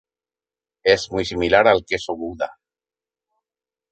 Es muy similar al queso Gouda.